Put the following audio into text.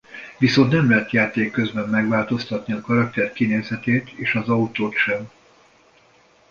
Viszont nem lehet játék közben megváltoztatni a karakter kinézetét és az autót sem.